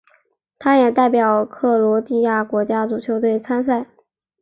他也代表克罗地亚国家足球队参赛。